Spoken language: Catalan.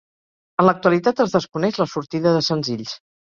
En l'actualitat es desconeix la sortida de senzills.